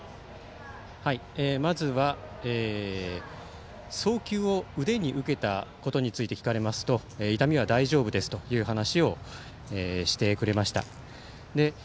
まずは送球を腕に受けたことについて聞かれますと痛みは大丈夫ですという話をしてくれました。